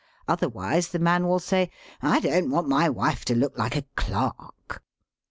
Otherwise the man will say : "I don't want my wife to look like a clerk.